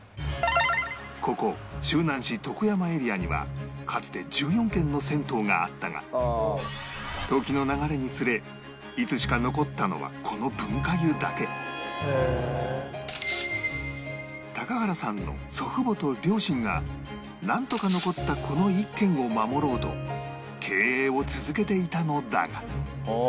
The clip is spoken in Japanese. ここ周南市徳山エリアにはかつて１４軒の銭湯があったが時の流れにつれいつしか原さんの祖父母と両親がなんとか残ったこの１軒を守ろうと経営を続けていたのだが